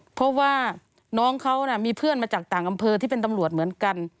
เพราะว่าน้องเขามีเพื่อนมาจากต่างอำเภอที่เป็นตำรวจเหมือนกัน